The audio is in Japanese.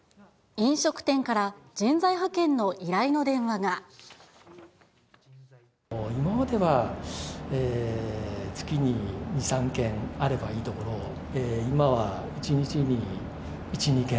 飲食店から人材派遣の依頼の今までは、月に２、３件あればいいところ、今は１日に１、２件。